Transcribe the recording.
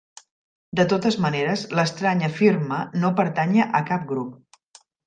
De totes maneres, l'Estrany afirma no pertànyer a cap grup.